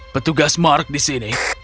petugas mark di sini